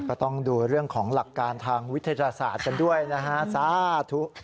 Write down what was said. ก็ต้องดูเรื่องของหลักการทางวิทยาศาสตร์กันด้วยนะฮะสาธุ